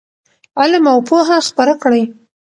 علم او پوهه خپره کړئ.